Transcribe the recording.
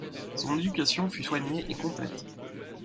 Son éducation fut soignée et complète.